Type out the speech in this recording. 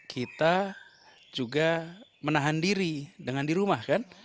kita juga menahan diri dengan di rumah kan